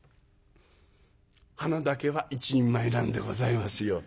鼻だけは一人前なんでございますよ。